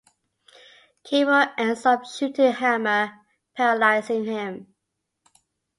Cable ends up shooting Hammer, paralyzing him.